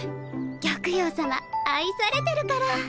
玉葉さま愛されてるから。